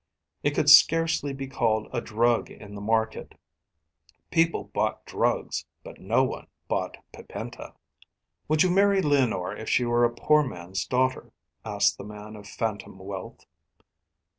It could scarcely be called a drug in the market; people bought drugs, but no one bought Pipenta. "Would you marry Leonore if she were a poor man's daughter?" asked the man of phantom wealth.